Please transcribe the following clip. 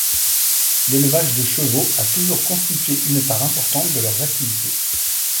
L'élevage de chevaux a toujours constitué une part importante de leurs activités.